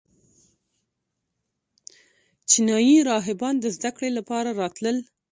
چینایي راهبان د زده کړې لپاره راتلل